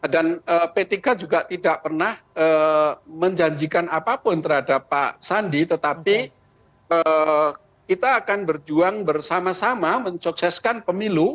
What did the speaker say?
dan p tiga juga tidak pernah menjanjikan apapun terhadap pak sandi tetapi kita akan berjuang bersama sama menyukseskan pemilu